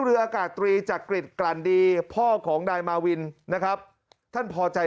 เรืออากาศตรีจักริจกลั่นดีพ่อของนายมาวินนะครับท่านพอใจ